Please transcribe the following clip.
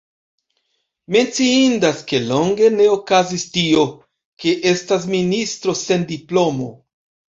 Menciindas, ke longe ne okazis tio, ke estas ministro sen diplomo.